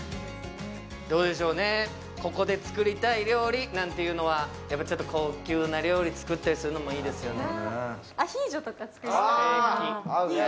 どうでしょうね、ここで作りたい料理なんていうのはちょっと高級な料理作ったりするのもいいですよね。